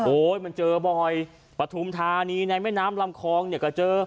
โอ้ยมันเจอบ่อยปฐุมธานีในแม่น้ำลำคองก็เจอ